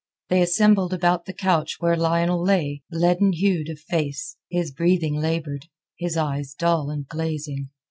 They assembled about the couch where Lionel lay, leaden hued of face, his breathing laboured, his eyes dull and glazing.